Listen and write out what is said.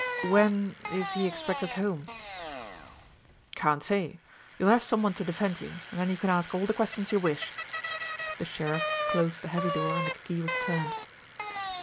"When is he expected home?" "Can't say. You'll have some one to defend you, and then you can ask all the questions you wish." The sheriff closed the heavy door and the key was turned.